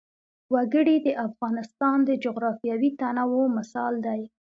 وګړي د افغانستان د جغرافیوي تنوع مثال دی.